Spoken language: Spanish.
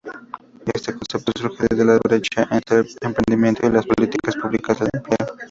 Este concepto surge desde la brecha entre emprendimiento y las políticas públicas de empleo.